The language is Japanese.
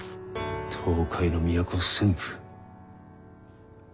東海の都駿府。